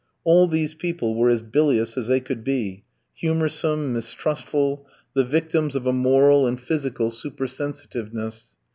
All these people were as bilious as they could be, humoursome, mistrustful, the victims of a moral and physical supersensitiveness.